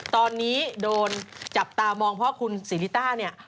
ตอนนี้โดนจับตามองเพราะคุณศรีริต้าเนี่ย